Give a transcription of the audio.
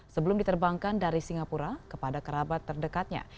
sebelum diterbangkan dari singapura kepada kerabat terdekatnya